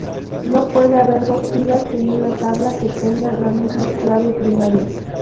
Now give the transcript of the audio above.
No puede haber dos filas en una tabla que tengan la misma clave primaria.